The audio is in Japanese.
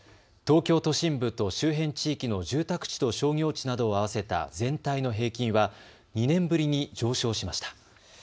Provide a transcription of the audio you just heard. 東京都心部と周辺地域の住宅地と商業地などを合わせた全体の平均は２年ぶりに上昇しました。